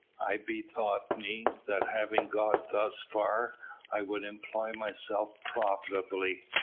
I bethought me that having got thus far, I would employ myself profitably.